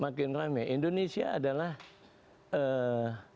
makin rame indonesia adalah ee